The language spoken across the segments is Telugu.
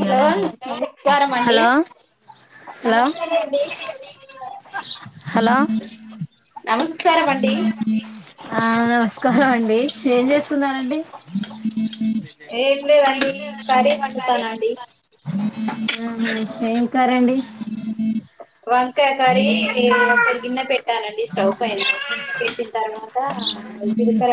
హలో నమస్కారం అండి హలో నమస్కారం అండి హలో నమస్కారం అండి ఆ నమస్కారం అండి ఏం చేస్తున్నారండి ఏం లేదండి కర్రీ వండు తున్నా అండి ఏం కర్రీ అండి [inaudible] వంకాయ కరీ ఒక గిన్నె పెట్టానండి స్టవ్ పైన గిన్నె పెట్టిన తర్వాత జీలకర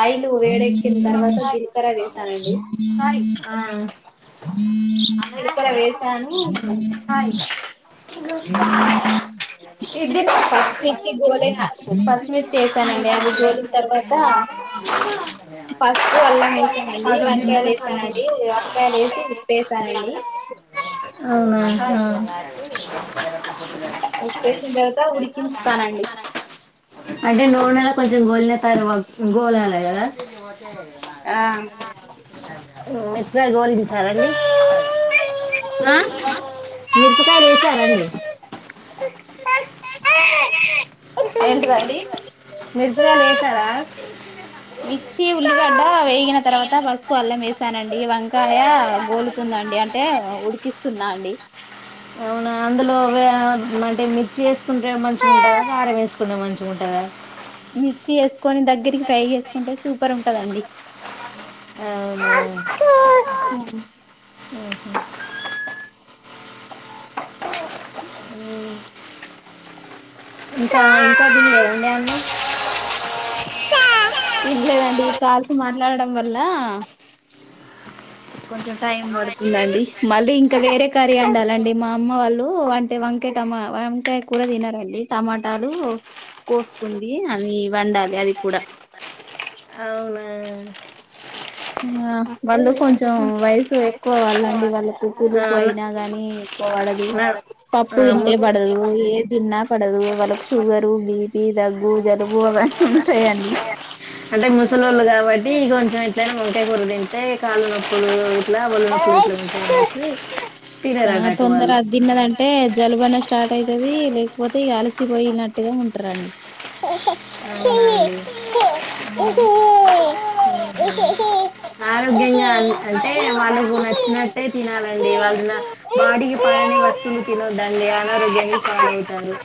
ఆయిల్ వేడెక్కిన తర్వాత జీలకర వేసానండి జీలకర వేసాను సాయి [inaudible] పచ్చిమిర్చి గోలిన పచ్చిమిర్చి వేసానండి అవి గోలిన తర్వాత పసుపు అల్లం వేసానండి వంకాయలు వేసానండి వంకాయలు వేసి ఉప్ప వేసానండి ఆ అ ఉప్పేసిన తర్వాత ఉడికిస్తానండి అంటే నూనెలో కొంచెం గోలిన తరు గోళాల కదా ఇవతే బాగా ఆ [inaudible] మెట్రాగా గోలించాలి అండీ ఆ మీరుపుకాయ వేసారండి ఏంటిదండి మిర్పాకాయలు వేసారా మిక్ చ్చి ఉల్లిగడ్డ వేగిన తర్వాత పసుపు అల్లం వేసానండి వంకాయ గోలుతుందండి అంటే ఉడికిస్తున్నా అండి అందులో అంటే మిర్చి వేసుకుంటే మంచిగా ఉంటందా కారం వేసుకుంటే మంచిగా ఉంటందా మిర్చి ఎసుకొని దగ్గరికి ఫ్రై చేసుకుంటే సూపర్ ఉంటదండి అవునా ఇంకా ఇంకా తినలేదా అండి అన్నం తినలేదండి ఈ కాల్స్ మాట్లాడడం వల్ల ఆ కొంచె టైం పడుతుందండి మళ్ళీ ఇంకా వేరే కర్రీ ఉండాలండి మా అమ్మ వాళ్ళు అంటే వంకయటమ వంకయ కూర తినారండి టమాటాలు కోస్తుంది అవి వండాలి అది కూడా అవున ఆ వండు కొ కొంచెం వయసు ఎక్కువ వాళ్ళ అండి వాళ్ళకు ఆ పులుపు న అయినా గాని ఎక్కువ పడదు నా పప్పు ఆ ము తింటే పడదు ఏ తిన్నా పడదు వాళ్ళకు షుగరు బీపి దగ్గు జలుబు అవన్నీ ఉంటాయండి అంటే వంకాయకూర తింటే కాళ్ళు నొప్పులు లాబ్ ఒళ్ళునొప్పులు గిట్ల ఉంటాయి అని చెప్పి ఆ తొందర అది తిన్నదంటే జలుబన్నష్ స్టార్ట్ అయితది లేకపోతే అలసిపోయినట్టుగా ఉంటారండి అవునండి ఉమ్. [inaudible] ఆరోగ్యంగా అంటే వాళ్ళకు నచ్చినట్టే తినాలండి వాళ్ళున వాడికి పడని వస్తువులు తినవద్దండి అనారోగ్యానికి పాలవుతారు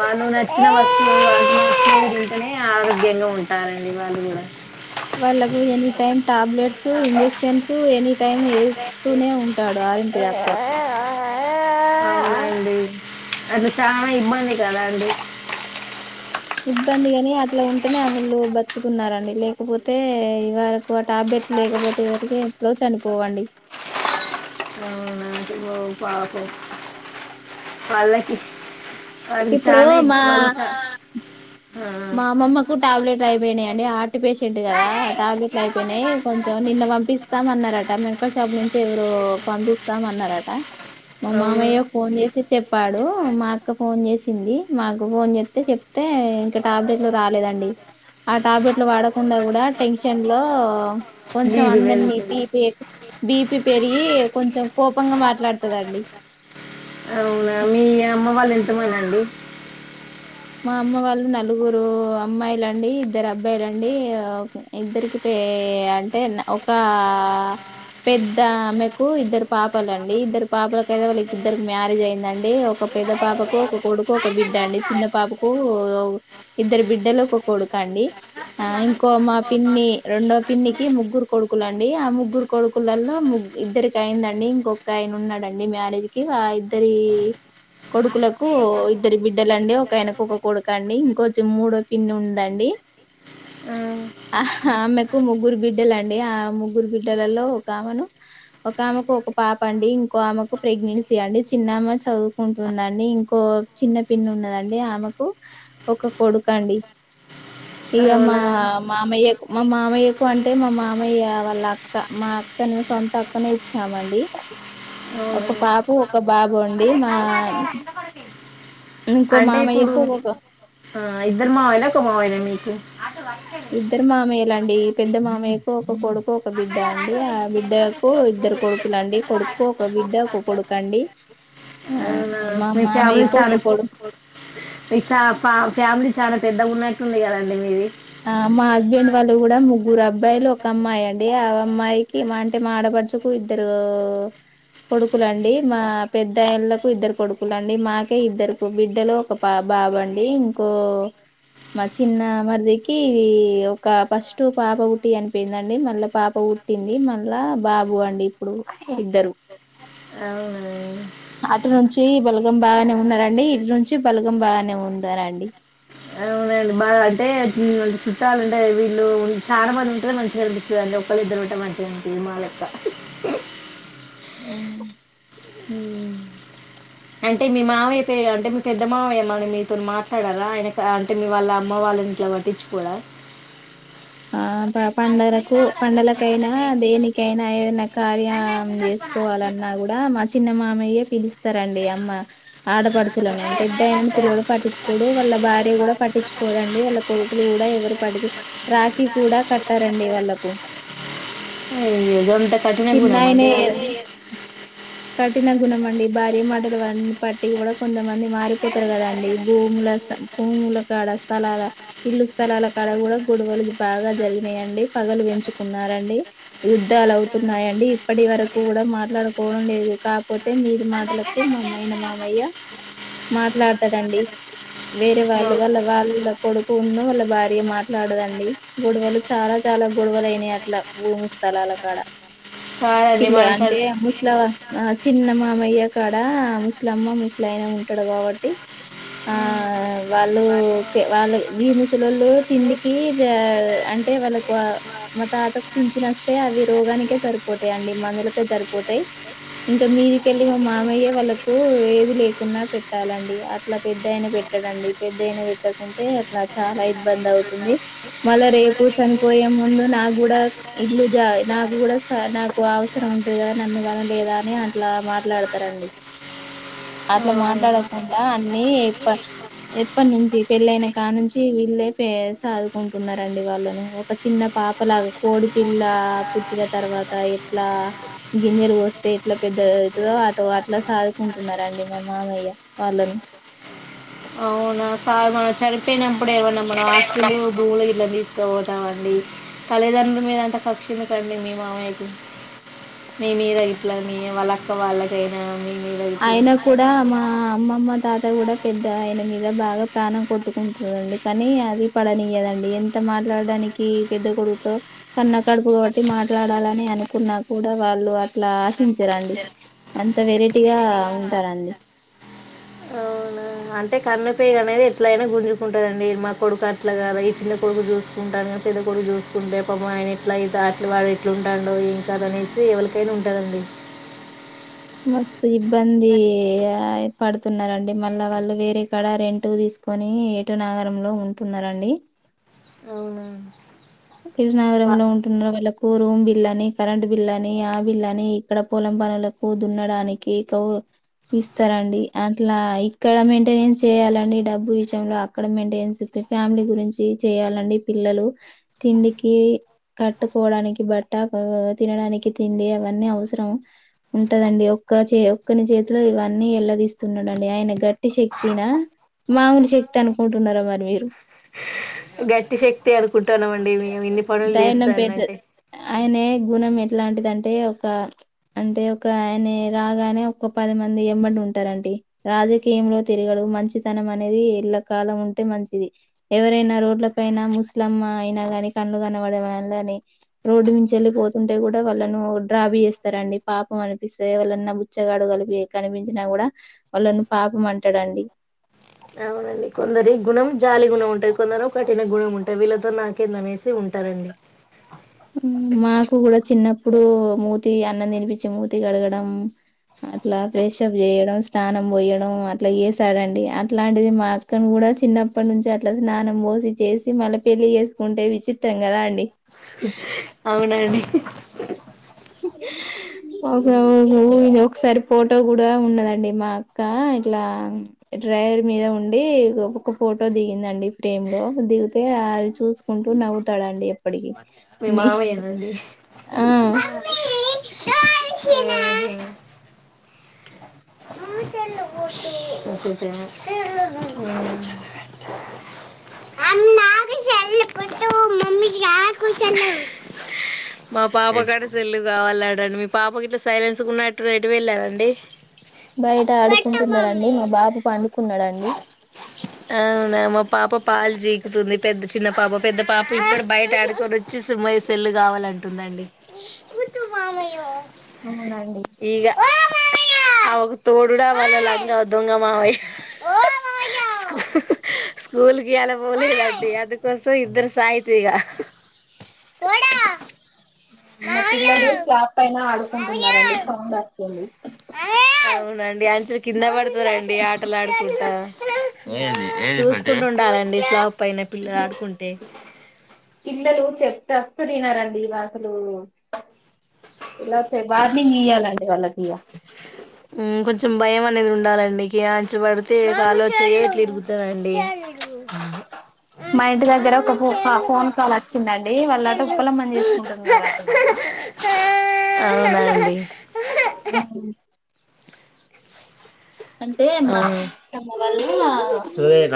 వాళ్ళు నచ్చిన వస్తువులు వాటి నచ్చేవి తింటేనే ఆరోగ్యంగా ఉంటారండి వాళ్ళు కూడా వాళ్ళకు any time tablets injections any time చేస్తూనే ఉంటాడు ఆర్ ఎం పి డాక్టర్ అవునండి అసలు చాలా ఇబ్బంది కద అండి. ఇబ్బంది గాని అట్లా ఉంటేనే అమలు బతుక్ ట్కున్నారండి లేకపోతే ఇ వర ఓ టాబ్లెట్ లేకపోతే జరికి ఎప్పుడో చనిపో పోవండి. అవునా పో పాకో పాలకి ఇప్పుడు మా ఆ, మా అమ్మమ్మకు టాబ్లెట్ అయిపోయినాయి అండి. హార్ట్ పేషెంట్ కదా. టాబ్లెట్లు అయిపోయినాయి. కొంచెం నిన్న పంపిస్తాం అన్నారట. మెడికల్ షాప్ నుంచి ఎవరు పంపిస్తాం అన్నారట. మా అవును మామయ్య ఫోన్ చేసి చెప్పాడు. మాక్ క్క ఫోన్ చేసింది మాకు ఫోన్ చెత్తే చెప్తే ఇంకా టాబ్లెట్లు రాలేదంన్ ఉంది ఆ టాబ్లెట్లు వాడకుండా, కూడా టెన్షన్ లో, కొంచెం బీబీ అందరినీ వెళ్తుంది బీపీ బీపి పెరిగి కొంచెం కోపంగా మాట్లాడుతదండి. అవునా మీ అమ్మ వాళ్ళు ఎంతమంది అండి. మా అమ్మ వాళ్ళు నలుగురు అమ్మాయిలండి. ఇద్దరు అబ్బాయిలండి. ఇద్దరికి అంటే ఒక పెద్ద ఆమెకు ఇద్దరు పాపలండి. ఇద్దరు పాపలయితే, వాళ్ళకి ఇద్దరికి మ్యారేజ్ అయిందండి. ఒక పెద్ద పాపకు ఒక కొడుకు ఒక బిడ్డ అండి. చిన్న ఇద్దరు బిడ్డలకు ఒక కొడుకండి ఆ ఇంకో మా పిన్ని రెండో పిన్ ఇన్నికి ముగ్గురు కొడుకులు అండి. ఆ ముగ్గురు కొడుకులలో ముగ్ ఇద్దరికి అయిందండి. ఇంకొక ఆయన ఉన్నాడండి మ్యారేజ్ కి. ఆ ఇద్ద్ ఇద్దరి కొడుకులకు ఇద్దరి బిడ్డలండి. వెనక ఒక కొడుక అండి. ఇంకోచి మూడో పిన్ని ఉందండి. ఆ, ఆ ఆమెకు ముగ్గురు బిడ్డలండి. ఆ ముగ్గురు బిడ్డలలో ఒక మెను ఒక ఆమకు ఒక పాప అండి. ఇంకో ఆమకు ప్రెగ్నెన్సీ అండి. చిన్నమ చదువుకుంటుందండి. ఇంకో చిన్న పిన్న ఉన్నదండి. ఆమెకు ఒక కొడుకు అండి ఇక మా అవునా మామయ్యకు మా మామయ్యకు అంటే మా మామయ్య వాళ్ళ అక్క మా అక్కని సొంత అక్కనే ఇ చామండి ఓ ఒక పాపు ఒక అండి మా బాబు అండి ఇంకో అంటే ఇప్పుడు మామయ్యకు ఒక ఇద్దరు మావయ్యల ఒక మావయ్యాలా మీకు ఇద్దరు మామయ్యలాండి పెద్ద మామయ్యకు ఒక కొడుకు ఒక బిడ్డ అండి. ఆ బిడ్డకు ఇద్దరు కొడుకులు అండి. కొడుకు ఒక బిడ్డ ఒక కొడుకు అండి. ఆ అవునా మా మీ ఫ్యామిలీ మామయ్యకు ఒక చాలా కొడుకు. స్తుంది కదండి మీది ఆ మా హస్బెండ్ వాళ్ళు కూడా ముగ్గురు అబ్బాయిలు ఒక అమ్మాయి అండి ఆ అమ్మాయికి వంట మా ఆడపడుచకు ఇద్దరు కొడుకులండి మా పెద్దళ్ళలకు ఇద్దరు కొడుకులుండి మాకే ఇద్దరు బిడ్డలు ఒక బాబ అండి ఇంకో మా చిన్న మరిది ఇ ఒక ఫస్ట్ పాప ఉుట్టి అనిపోయిందండి మళ్ళా పాప పుట్టింది మళ్ళా బాబు అండి ఇప్పుడు ఇద్దరు అవునా అటు నుంచి బలగం బాగానే ఉన్నారండి ఇటు నుంచి బలగం బాగానే ఉన్నారండి అవునండి బాగా అంటే ఉమ్, చుట్టాలు ఉంటాయి వీళ్ళు చాలా మంది ఉంటుది మంచిగా కనిపిస్తుందిండి ఒళ్ళ ఇద్దరు ఉంటే మంచిగా కనిపింది మాళ యొక్క అ అంటే మీ మావయ్య అంటే మీ పెద్ద మావయ్యమని మీతో మాట్లాడారా ఆయన అంటే మీ వాళ్ళ అమ్మ వాళ్ళని ఇట్లా పట్టించు కూడా ఆ పండలకు పండకైనా దేనికైనా ఏదైనా కార్యం చేసుకోవాలన్నా కూడా మా చిన్నమా మామెయ్య పిలిస్త స్తారండి అమ్మ ఆడపడుచలను పెద్దయినని పిల్లలు పట్టించుకోడు వాళ్ళ భార్య కూడా పట్టించుకోదండి వాళ్ళ కొడుకులు కూడా ఎవరు పట్టి ఏ జంత కాఠిన గున్నా మడి చిన్నాయనే వాటి గుణమండడి భార మాటలు వ పట్ ఇటి కూడా కొంతమంది మారిపోతారు కదండి భూముల భూముల కాడ స్థలాల ఇల్లు స్థలాల కాడ కూడా గొడవలు బాగా జరిగినాయండి పగలు పెంచు కున్నారండి యుద్ధాలు అవుతున్నాయంండి ఇప్పటి వరకు కూడా మాట్లాడుకో లేదు కాపోతే మీది మాటలకు మా అమయిైన మామయ్య మాట్లాడతాడండి వేరే వాళ్ళు వాళ్ళ వాళ్ళ కొడుకున్న వాళ్ళ భార్య మాట్లాడదండి గొడవలు చాలా చాలా గొడవ ఇవలనా అట్లా భూమి స్థలాల కాడ స ఎన్ని ఇట్లా మనస అంటే ముసలవ ఆ చిన్న మామయ్య కాడ ముస్లిమ్మ ముస్లిన ఉంటాడు కాబట్టి ఆ వాళ్ళు వాళ్ళ ఈ ముసలళు తిండికి అంటే వాళ్ళకు మా తాతకు పించిన వస్తే అవి రోగానికే సరిపోతాయిండి మందులకే సరిపోతాయి ఇంకా మీదికెళ్ళి మా మామయ్యే వాళ్ళలకు ఏది లేకున్నా పెట్టాలండి అట్లా పెద్దయినా పెట్టడండి పెట్టకుంటే అట్లా చాలా ఇబ్బంది అవుతుంది మళ్ళ రేపు చనిపోయే ముందు నాకు కూడా ఇలు నాకు కూడా నాకు అవసరం ఉంటది కదా నన్ను కా కానీ అట్లా మాట్లాడతారండి అట్లా మాట్లాడకుండా అన్ని ఎప్పటి నుంచి పెళ్ళయిన కా నుంచి వీళ్ళే చదుకుంటున్నారండి వాళ్ళను ఒక చిన్న పాపలాగా కోడి పల్ల పుట్టిన తర్వాత ఎట్లా గింజరు వస్త తే ఎట్లా పెద్ద ఎతు అటో అట్లా సాదుకుంటున్నారండి మా మామయ్య వాళ్ళను అవునా క మా చ ప్పే నం పడ ఎవ మమ ఆస్లు బూలుు ఇల్ తీసు ండి తల్లిదండ్రుల మీద అంత కక్షింది కండి మీ మామయ్యకి మీ మీద ఇట్లా మీ వాళ్ళక్క వాళ్ళకైనా మీద ఇట్లా అయన కూడా మా అమ్మమ్మ దాదా కూడా పెద్ద ఆయన మీద బాగా ప్రాణం కొట్టుకుంటుందండి కానీ అది పడనీయదండి ఎంత మాట్లాడడానికి పెద్ద కొడుకుతో కన్న కడుపు కాబట్టి మాట్లాడాలని అనుకున్నా కూడా [unintelligible] వాళ్ల్ అట్లా ఆశించరండి అంత వెరై గట్టిగా ఉంటారండి అవునా అంటే కన్నపేగ అనేది ఎట్ల అయినా గుంజుకుంటుదండి, మా కొడుకు అట్లా కదా ఈ చిన్న కొడుకు చూసుకుంటాను, పెద్ద కొడుకు చూసుకుంటే పాపం ఆయన ఎట్లా అ వాడు ఎట్లు ఉంటాండో ఏంకాద అనేసి ఎవరికై ఉ దండి మస్ ఇబ్బంది ఆయ న్నారురండి మళ్ళ వాళ్ళు వేరే ఇక్కడ రెంటూ తీసుకొని ఏటో నాగరంలో ఉంటున్నండి అవును విరునగరంలో ఉంటున్నారు వాళ్ళ రూమ్ బిల్ అని కరెంట్ బిల్ అని ఆ బిల్ అని ఇక్కడ పొలం పనులకు దున్నడానికి గౌ ఇస్తారంండి అట్లా ఇక్కడ మెయింటెనెన్స్ చేయాలండి డబ్బు విషయంలో అక్కడ మెయింటైనెన్స్స్త ఫ్యామిలీ గురించి చెయాలండి పిల్లలు తిండికి కట్టుకోడానికి బట్ట తినడానికి తిండి అవన్నీ అవసరం ఉంటదండి ఒక్క చే ఒక్కని చేతిలో ఇవన్నీ ఎల్ల తీస్తున్నాడంండి ఆయన గట్టి శక్తిన మామూలు శక్తి అనుకుంటున్నారా మరి మీరు గట్టి శక్తి అనుకుంటున్నామండి మేము ఇన్ని పనులు దైైనం పెద్ద చేస్తానంటే ఆయన గుణం ఎట్లాంటిది అంటే ఒక అంటే ఒక ఆయన రాగానే ఒక పది మంది ఎమ్మడి ఉంటారుంటడి రాజకీయంలో తిరగడు మంచితనం అనేది ఇళ్ల కాలం ఉంటే మంచిది ఎవరైనా రోడ్లపైనా ముస్లిం అయినా కాని పనులు కనవడని రోడ్డు నుంచి వెళ్ళిపోతుంటే కూడా వాళ్ళను డ్రాబ చేస్తారండి పాపం అనిపిస్తా వాళ్ళ నా బుచ్చగాడు కలిపి కనిపించినా కూడా వాళ్ళను పాపం అంటాడండి కొందరి గుణం జాలీ గుణం ఉంటుంది కొందరు కఠిన గుణం ఉంటంది వీళ్ళతో నాకే ననేసి ఉంటారంండి మాకు కూడా చిన్నప్పుడు మూతి అన్నం తినిపించి మూతి కడగడం అట్లా ప్రెషప్ చేయడం స్నానం పోయడం అట్లా చేసాడంండి అట్లాంటిది మా అక్కను కూడా చిన్నప్పటి నుంచి అట్లా స్నానం పోసి చేసి మళ్ళీ పెళ్లి చేసుకుంటే విచిత్రం కదా అండి అవునండి ఇ ఒకసారి ఫోటో కూడా ఉన్నదండి మాకు ఇ ఇట్లా డ్రైవర్ మీద ఉండి ఒకొక్క ఫోటో దిగిందండి ఫ్రేమ్ లో దిగితే అది చూసుకుంటూ నవ్వుతాడండి ఎప్పటికి మీ నీ మామయనండి ఆ మా పాప కడ సెల్లు కావాలడండి మీ పాప గట్ట సైలెన్స్ ఉన్నట్టు రటు వెళ్ళారంండి బయట ఆడుకుంటున్నారండి మా బాబు పండు కున్నాడాండి అవునా మా పాప పాలు జీకుతుంది పెద్ద చిన్న పాప పెద్ద పాప ఇప్పుడు బయట ఆడుకొని వచ్చి సమ్మయ్య సెల్లు కావాలంటుందండి అవునండి ఇగ తో రడా వాళ దంగ మామయ్య స్కూలు ఇయ్యాల పోలేదండి అందుకోసం ఇద్దరు, సాయి ప్రియ మా పిల్లలు స్లాప్ పైన ఆడు కుటున్నార అండి సౌండ్ పొండి అవునండి ఆ అయిచల్లి కింద పడితే పిల్లలు అండి ఆటలు ఆడుకుంటా చూసుకుంట ఉండాలండి స్లాప్ పైన పిల్లలు ఆడుకుంటే, పిల్లలు చెప్తే అసలు వినారండి ఇగ అసలు, ఇలాఐతే వార్నింగ్ ఇయ్యాలండి వాళ్ళకు ఇయ్య హు కొంచెం భయం అనేది ఉండాలండి కె ఆ నుంచి పడితే కాలో చెయ్యు ఇట్లు ఇరుగుతదండి అగు మా ఇంటి దగ్గర దగ్గర ఒక ఫోన్ కాల్ వచ్చిందండి వాళ్ళ ఉప్పలమ్మ ను చేసుకుంటున్నారట ఇవాళ అవునా అండి, ఆ అంటే మా అవును అత్తమ్మ వల్ల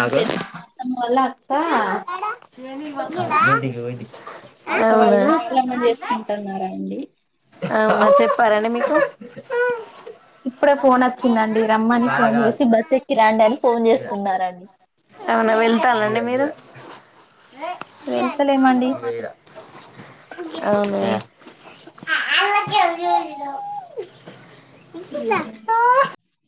మా పెద్ద అత్త వల్ల అక్క అక్క ఎవ్వలే వాళ్ళు ఉప్పలమ్మం చేసుకుంటున్నారండి ఆ చెప్పారండి మీకు ఇప్పుడే మాకు కూడ ఫోన్ వచ్చిందండి [inaudible] రమ్మని ఫోన్ చేసి బస్ రండి బస్సు ఎక్కి అని రండి అని ఫోన్ చేస్తున్నారండి చేస్తున్నారు వెళ్లుతాల అండి మీరు, వెళ్తలేమండి అవునా అే అ్య లేద ఊ